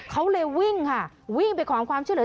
เขาเลยวิ่งค่ะวิ่งไปขอความช่วยเหลือ